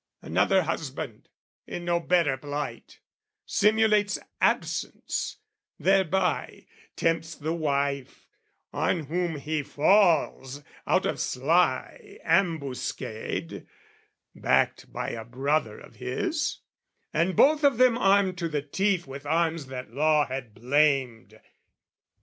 Another husband, in no better plight, Simulates absence, thereby tempts the wife; On whom he falls, out of sly ambuscade, Backed by a brother of his, and both of them Armed to the teeth with arms that law had blamed.